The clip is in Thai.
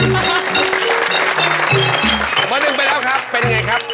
เมื่อหนึ่งไปแล้วครับเป็นอย่างไรครับ